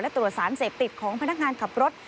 และตรวจสารเสพติดของพนักงานขับรถ